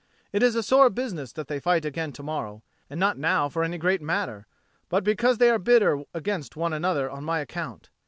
It is a sore business that they fight again to morrow, and not now for any great matter, but because they are bitter against one another on my account.